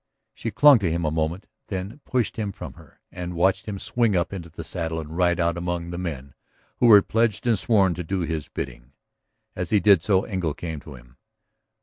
She clung to him a moment, then pushed him from her and watched him swing up into the saddle and ride out among the men who were pledged and sworn to do his bidding. As he did so Engle came to him.